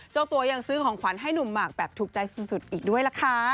เจ้าตัวยังซื้อของขวัญให้หนุ่มหมากแบบถูกใจสุดอีกด้วยล่ะค่ะ